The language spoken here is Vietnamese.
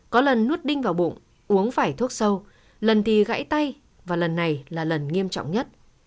có lần nuốt đinh vào bụng uống phải thuốc sâu lần thì gãy tay và lần này là lần nghiêm trọng nhất